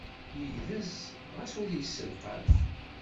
Yegdez xas ur yesselqaf.